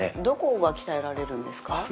どこが鍛えられるんですか？